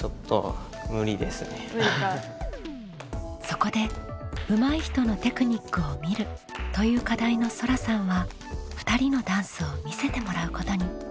そこで「うまい人のテクニックを見る」という課題のそらさんは２人のダンスを見せてもらうことに。